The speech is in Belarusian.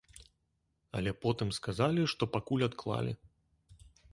Але потым сказалі, што пакуль адклалі.